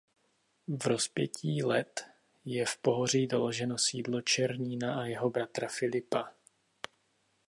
V rozpětí let je v Pohoří doloženo sídlo Černína a jeho bratra Filipa.